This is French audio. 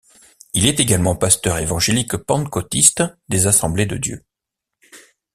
Il est également pasteur évangélique pentecôtiste des Assemblées de Dieu.